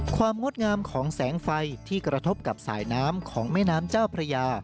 งดงามของแสงไฟที่กระทบกับสายน้ำของแม่น้ำเจ้าพระยา